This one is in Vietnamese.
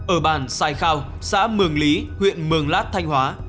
ở bàn sai khao xã mường lý huyện mường lát thanh hóa